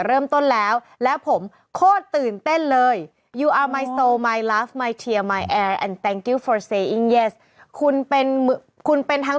เริ่มต้นแล้วแล้วผมโคตรตื่นเต้นเลยคุณเป็นคุณเป็นทั้ง